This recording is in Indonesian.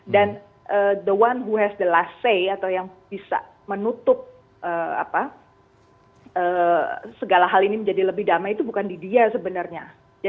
dan the one who has the last say atau yang bisa menutup segala hal ini menjadi lebih damai itu bukan di dia sebenarnya